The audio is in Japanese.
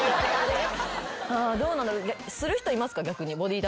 どうなんだろ？